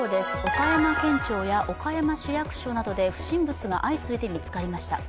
岡山県庁や岡山市役所などで不審物が相次いで見つかりました。